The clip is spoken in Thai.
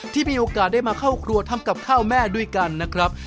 ที่มีโอกาสได้มาเข้าครัวทำกับข้าวแม่ด้วยกันนะครับ